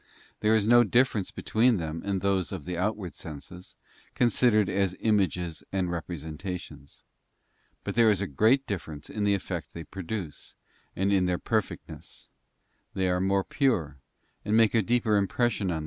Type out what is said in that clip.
There is no difference between them and those of the outward senses, considered as images and representations; but there is a great difference in the effect they produce, and in their perfectness: they are more pure, and make a deeper impression on.